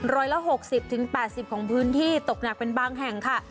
ร้อยละ๖๐๘๐ของพื้นที่ตกหนักเป็นบางแห่งค่ะ